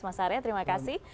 mas arya terima kasih